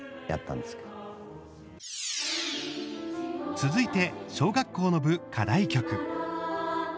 続いて小学校の部、課題曲。